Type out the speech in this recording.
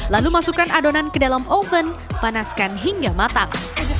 lalu masukkan adonan ke dalam oven panaskan hingga matang